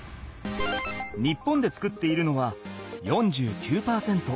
日本で作っているのは４９％。